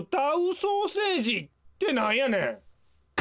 ソーセージってなんやねん！